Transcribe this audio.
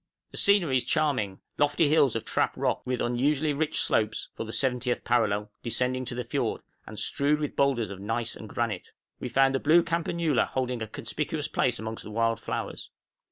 The scenery is charming, lofty hills of trap rock, with unusually rich slopes (for the 70th parallel) descending to the fiord, and strewed with boulders of gneiss and granite. We found the blue campanula holding a conspicuous place amongst the wild flowers.